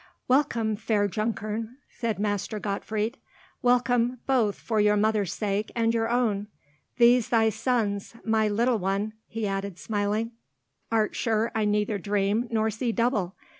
"Welcome, fair Junkern!" said Master Gottfried; "welcome both for your mother's sake and your own! These thy sons, my little one?" he added, smiling. "Art sure I neither dream nor see double!